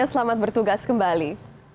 selamat bertugas kembali